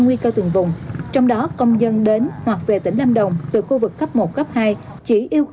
nguy cơ từng vùng trong đó công dân đến hoặc về tỉnh lâm đồng từ khu vực cấp một cấp hai chỉ yêu